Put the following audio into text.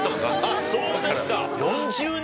あっそうですか。